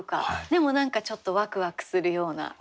でも何かちょっとわくわくするような。